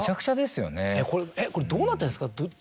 これどうなってんですか？